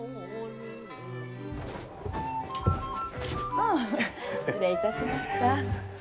ああ失礼いたしました。